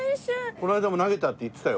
この間も投げたって言ってたよ。